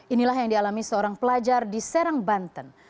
inilah yang dialami seorang pelajar di serang banten